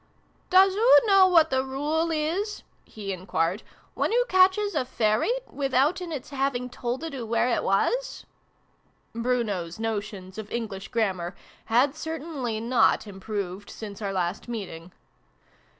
" Doos oo know what the Rule is," he en quired, " when oo catches a Fairy, withouten its having tolded oo where it was ?" (Bruno's notions of English Grammar had certainly not improved since our last meeting.)